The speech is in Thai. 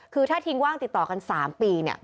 คือถ้าทิ้งว่างติดต่อกัน๓ปี